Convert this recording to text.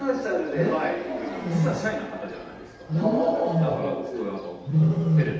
だからすごい。